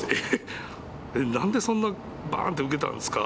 何でそんなバンって受けたんですか。